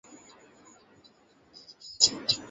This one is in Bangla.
ম্যানেজমেন্টের সামনে আমার কোনো দাপট নেই।